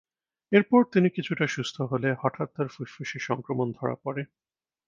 এরপর তিনি কিছুটা সুস্থ হলে হঠাৎ তাঁর ফুসফুসে সংক্রমণ ধরা পড়ে।